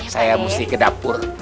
saya mesti ke dapur